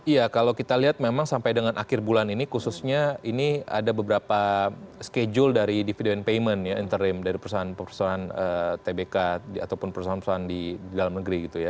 iya kalau kita lihat memang sampai dengan akhir bulan ini khususnya ini ada beberapa schedule dari dividend payment ya interim dari perusahaan perusahaan tbk ataupun perusahaan perusahaan di dalam negeri gitu ya